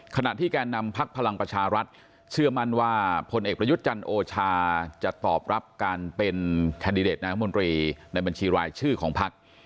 ขณะที่แก่นำพักพลังประชารัฐเชื่อมั่นว่าพลเอกประยุทธ์จันทร์โอชาจะตอบรับการเป็นแคนดิเดตนายมนตรีในบัญชีรายชื่อของพัก